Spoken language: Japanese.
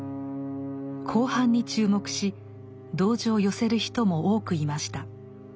後半に注目し同情を寄せる人も多くいました。